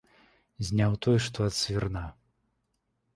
Зняў той, што ад свірна.